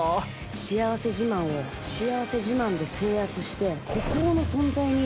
幸せ自慢を幸せ自慢で制圧して孤高の存在に。